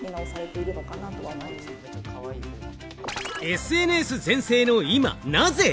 ＳＮＳ全盛の今、なぜ？